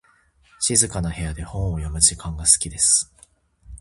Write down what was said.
静かな部屋で本を読む時間が好きです。